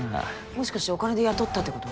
もしかしてお金で雇ったってこと？